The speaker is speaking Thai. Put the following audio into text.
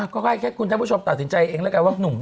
ก็ค่อยคุณชมเติดผู้ชมตัดสินใจเองแล้วในการว่า